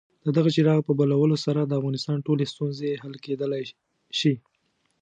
د دغه څراغ په بلولو سره د افغانستان ټولې ستونزې حل کېدلای شي.